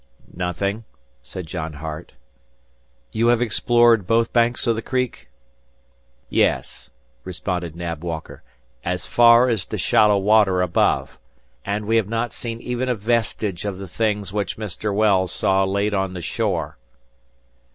"Nothing," said John Hart. "You have explored both banks of the Creek?" "Yes," responded Nab Walker, "as far as the shallow water above; and we have not seen even a vestige of the things which Mr. Wells saw laid on the shore."